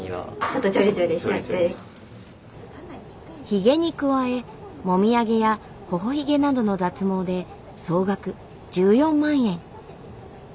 ヒゲに加えもみあげやほほヒゲなどの脱毛で総額１４万円。